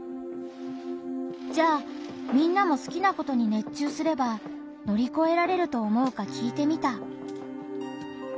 じゃあみんなも好きなことに熱中すれば乗り越えられると思うか聞いてみた。